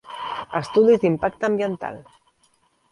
Estudis d'impacte ambiental.